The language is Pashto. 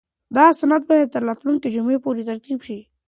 دا اسناد باید تر راتلونکې جمعې پورې ترتیب شي.